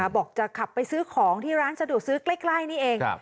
บอกจะขับไปซื้อของที่ร้านสะดวกซื้อใกล้นี่เอง